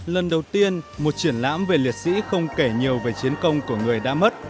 lần đầu tiên một triển lãm về liệt sĩ không kể nhiều về chiến công của người đã mất